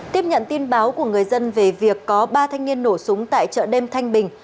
tiếp nhận tin báo của người dân về việc có ba thanh niên nổ súng tại chợ đêm thanh bình